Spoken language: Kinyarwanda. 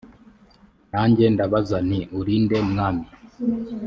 nanjye ndabaza nti uri nde mwami